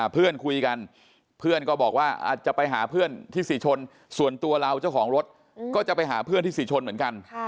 เพื่อนคุยกันเพื่อนก็บอกว่าอาจจะไปหาเพื่อนที่ศรีชนส่วนตัวเราเจ้าของรถก็จะไปหาเพื่อนที่ศรีชนเหมือนกัน